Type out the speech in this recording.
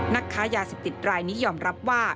นักค้ายาเสพติดรายนี้ยอมรับว่า